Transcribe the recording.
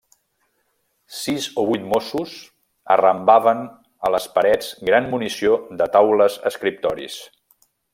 Sis o vuit mossos arrambaven a les parets gran munió de taules-escriptoris